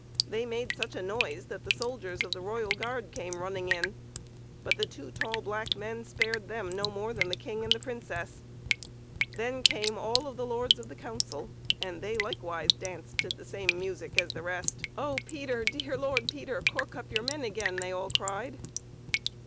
They made such a noise that the soldiers of the Royal Guard came running in ; but the two tall black men spared them no more than the King and the Princess. Then came all of the Lords of the Council, and they likewise danced to the same music as the rest. " Oh, Peter ! dear Lord Peter ! cork up your men again !" they all cried.